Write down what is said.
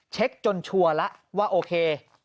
เช็คจนชัวร์แล้วว่าโอเค